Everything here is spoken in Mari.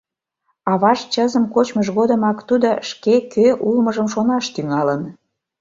Аваж чызым кочмыж годымак тудо шке кӧ улмыжым шонаш тӱҥалын.